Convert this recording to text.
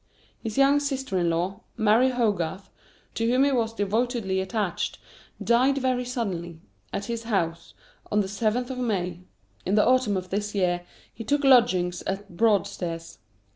His young sister in law, Mary Hogarth, to whom he was devotedly attached, died very suddenly, at his house, on the 7th May. In the autumn of this year he took lodgings at Broadstairs.